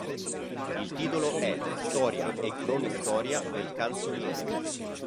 Il titolo è "Storia e cronistoria del Canzoniere".